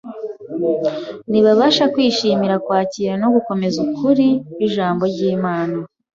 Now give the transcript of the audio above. ntibabasha kwishimira kwakira no gukomeza ukuri kw’Ijambo ry’Imana.